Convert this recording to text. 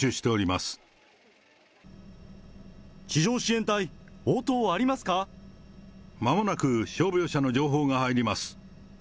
まもなく消防車の情報が入ります。